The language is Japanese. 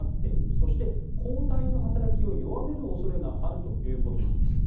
そして、抗体の働きを弱める恐れがあるということなんです。